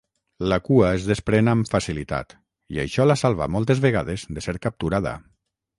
La cua es desprèn amb facilitat, i això la salva moltes vegades de ser capturada.